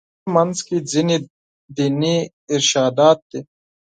په دې منځ کې ځینې دیني ارشادات دي.